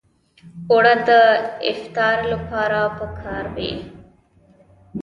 اوړه د افطار لپاره پکار وي